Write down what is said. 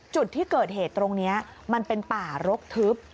จุดที่เกิดเหตุตรงนี้มันเป็นป่ารกทึบ